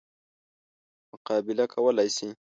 مقابله کولای شي.